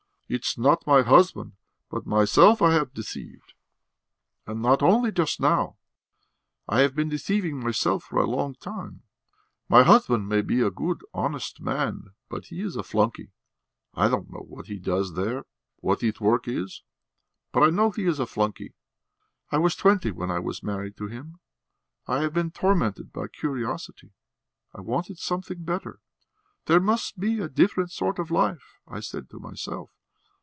It's not my husband but myself I have deceived. And not only just now; I have been deceiving myself for a long time. My husband may be a good, honest man, but he is a flunkey! I don't know what he does there, what his work is, but I know he is a flunkey! I was twenty when I was married to him. I have been tormented by curiosity; I wanted something better. 'There must be a different sort of life,' I said to myself.